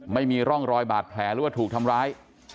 ไม่มีร่องรอยบาดแผลหรือว่าถูกทำร้าย